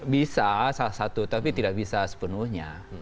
bisa salah satu tapi tidak bisa sepenuhnya